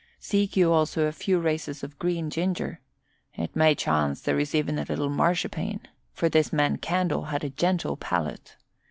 Seek you also a few races of green ginger. It may chance there is even a little marchpane, for this man Candle had a gentle palate.